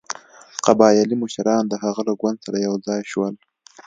قبایلي مشران د هغه له ګوند سره یو ځای شول.